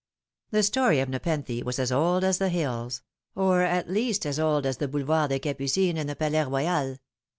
The story of Nepenthe was as old as the hills or at least as old as the Boulevard des Capucines and the Palais Royal.